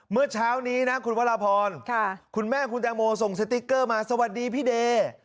เมื่อเช้านี้นะคุณวรพรคุณแม่คุณแตงโมส่งสติ๊กเกอร์มาสวัสดีพี่เดย์